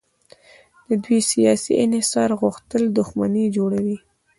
د دوی سیاسي انحصار غوښتل دښمني جوړوي.